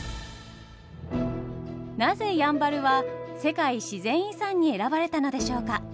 なぜやんばるは世界自然遺産に選ばれたのでしょうか？